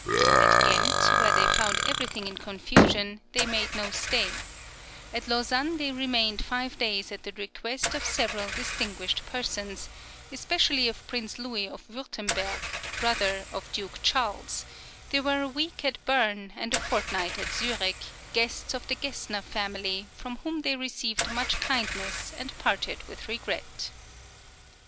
At Ghent, where they found everything in confusion, they made no stay; at Lausanne they remained five days at the request of several distinguished persons, especially of Prince Louis of Wurtemberg, brother of Duke Charles; they were a week at Berne, and a fortnight at Zurich; guests of the Gessner family, from whom they received much kindness, and parted with regret.